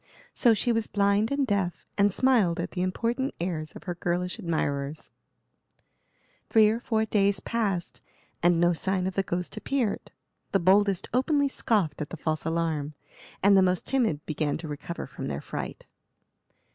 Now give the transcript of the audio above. So she was blind and deaf, and smiled at the important airs of her girlish admirers. Three or four days passed, and no sign of the ghost appeared. The boldest openly scoffed at the false alarm, and the most timid began to recover from their fright.